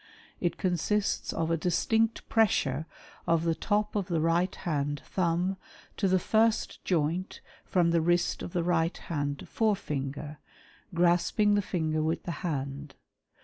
It consists of a distinct pressure of the top of the right hond thumb to the first joint fi'oni the wrist of the right hand forefinger, grasping the finger with the hand.